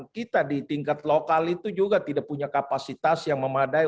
kita di tingkat lokal itu juga tidak punya kapasitas yang memadai